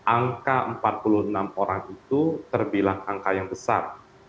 angka empat puluh enam orang itu terbilang angka yang besar